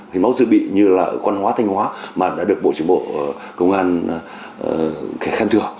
thì máu dự bị như là quan hóa thanh hóa mà đã được bộ chính bộ công an khen thừa